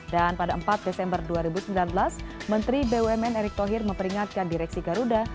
dan pada empat desember dua ribu sembilan belas menteri bumn erick thohir memperingatkan direksi garuda